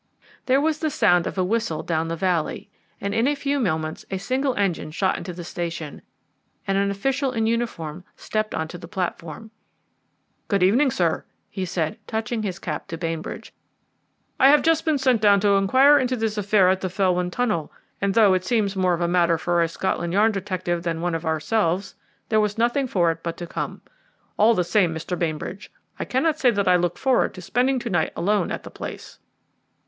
There was the sound of a whistle down the valley, and in a few moments a single engine shot into the station, and an official in uniform stepped on to the platform. "Good evening, sir," he said, touching his cap to Bainbridge; "I have just been sent down to inquire into this affair at the Felwyn Tunnel, and though it seems more of a matter for a Scotland Yard detective than one of ourselves, there was nothing for it but to come. All the same, Mr. Bainbridge, I cannot say that I look forward to spending to night alone at the place."